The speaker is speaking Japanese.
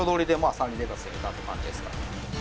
サニーレタスを入れたって感じですかね